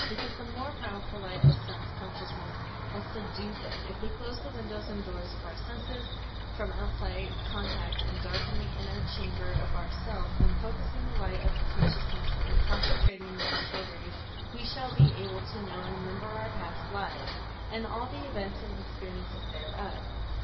Because the more powerful light of sense consciousness has subdued them. If we close the windows and doors of our senses from outside contact and darken the inner chamber of our self, then by focusing the light of consciousness and concentrating the mental rays we shall be able to know and remember our past lives, and all the events and experiences thereof.